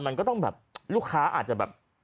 มันก็ต้องแบบลูกค้าอาจจะแบบ